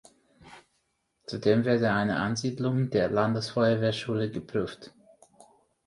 Zudem werde eine Ansiedlung der Landesfeuerwehrschule geprüft.